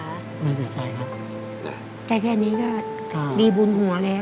ไม่เสียใจครับได้แค่นี้ก็ดีบุญหัวแล้ว